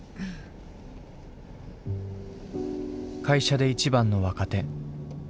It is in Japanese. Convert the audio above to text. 会社で一番の若手。